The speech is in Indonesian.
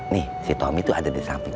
nih si tommy itu ada di samping